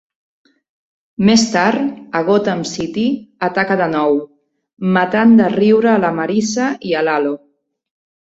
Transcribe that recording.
Més tard, a Gotham City, ataca de nou, matant de riure a la Marissa i el Halo.